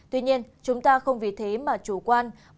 tuy nhiên chúng ta không vì thế mà chủ quan buông lỏng các khu vực này